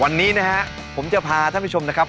วันนี้นะฮะผมจะพาท่านผู้ชมนะครับ